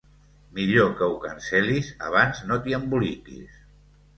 Millor que ho cancel·lis abans no t'hi emboliquis.